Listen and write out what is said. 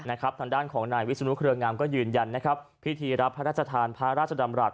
ทางด้านของนายวิศนุเครืองามก็ยืนยันนะครับพิธีรับพระราชทานพระราชดำรัฐ